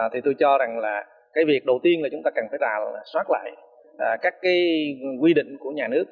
thì tôi cho rằng là cái việc đầu tiên là chúng ta cần phải ra soát lại các cái quy định của nhà nước